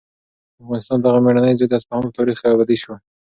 د افغانستان دغه مېړنی زوی د اصفهان په تاریخ کې ابدي شو.